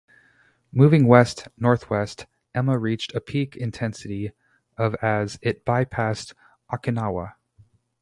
Moving west-northwest, Emma reached a peak intensity of as it bypassed Okinawa.